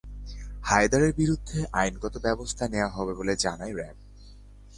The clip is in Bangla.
হায়দারের বিরুদ্ধে আইনগত ব্যবস্থা নেওয়া হবে বলে জানায় র্যাব।